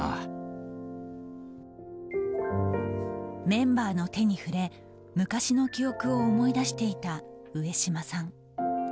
メンバーの手に触れ昔の記憶を思い出していた上島さん。